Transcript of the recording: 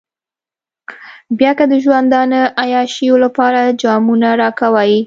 بيا که د ژوندانه عياشيو لپاره جامونه راکوئ.